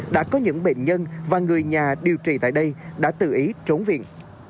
đã có những bệnh nhân và người nhà điều trị tại đây đã tự ý trốn viện